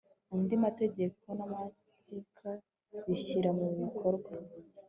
andi amategeko n'amateka bishyira mu bikorwa